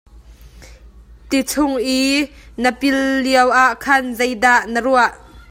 Tichung i na pil lioah khan zei dah na ruah?